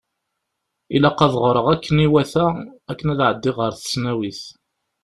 Ilaq ad ɣreɣ akken iwata akken ad ɛeddiɣ ɣer tesnawit.